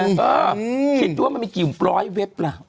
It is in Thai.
คิดด้วยว่ามันมีกี่หุบร้อยเว็บล่ะ